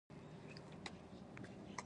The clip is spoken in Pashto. انجینیر مهدي بازرګان کتاب لیکلی دی.